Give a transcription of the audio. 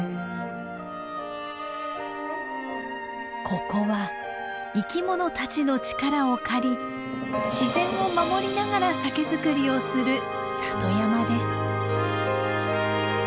ここは生きものたちの力を借り自然を守りながら酒造りをする里山です。